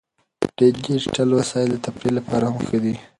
ډیجیټل وسایل د تفریح لپاره هم ښه دي.